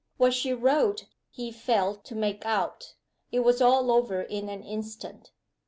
What she wrote he failed to make out. It was all over in an instant.